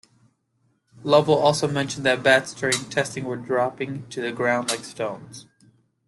Lovell also mentioned that bats during testing were dropping to the ground like stones.